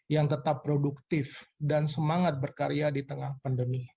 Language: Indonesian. yang tetap produktif dan semangat berkarya di tengah pandemi